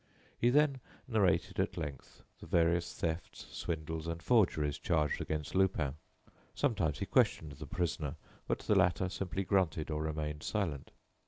He then narrated at length the various thefts, swindles and forgeries charged against Lupin. Sometimes he questioned the prisoner, but the latter simply grunted or remained silent.